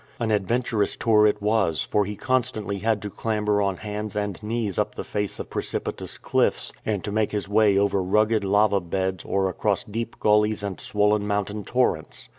An adventurous tour it was, for he constantly had to clamber on hands and knees up the face of pre cipitous cliffs, and to make his way over rugged lava beds or across deep gullies and swollen moutain torrents.